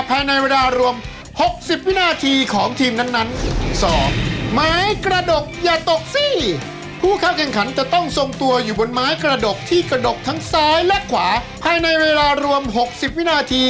ภายในเวลารวม๖๐วินาที